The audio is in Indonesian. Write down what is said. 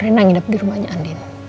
reina yang hidup di rumahnya andin